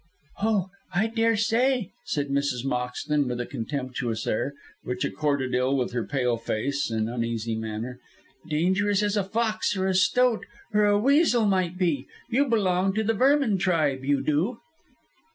"Oh, I daresay," said Mrs. Moxton, with a contemptuous air, which accorded ill with her pale face and uneasy manner. "Dangerous as a fox, or a stoat, or a weasel may be. You belong to the vermin tribe, you do."